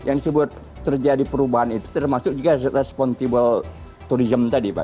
yang disebut terjadi perubahan itu termasuk juga responible tourism tadi pak